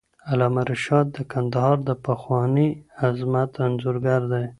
علامه رشاد د کندهار د پخواني عظمت انځورګر دی.